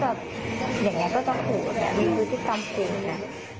มีภูติกรรมจริงนะ